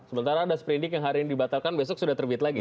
sementara ada sprindik yang hari ini dibatalkan besok sudah terbit lagi